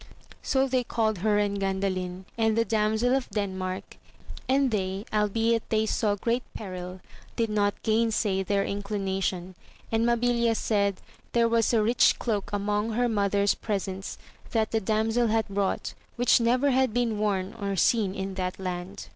So they called her and Gandalin, and the damsel of Denmark, and they, albeit they saw great peril, did not gainsay their inclination ; and Mabilia said, there was a rich cloak among her mother's pre sents that the damsel had brought, which never had been worn or seen in that land.